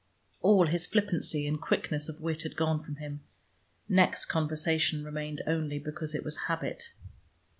All his flippancy and quickness of wit had gone from him. Next conversation remained only because it was a habit.